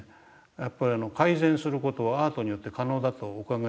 やっぱり改善する事はアートによって可能だとお考えですか？